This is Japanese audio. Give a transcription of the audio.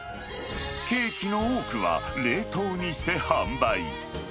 ケーキの多くは、冷凍にして販売。